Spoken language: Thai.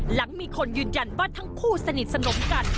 หลังมีคนยืนยันว่าทั้งคู่สนิทสนมกัน